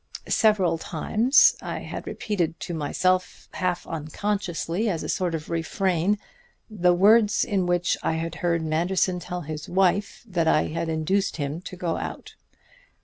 "Several times I had repeated to myself half consciously, as a sort of refrain, the words in which I had heard Manderson tell his wife that I had induced him to go out.